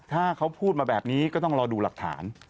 ถ้าเขาพูดมาแบบนี้ก็ต้องรอดูหลักฐาน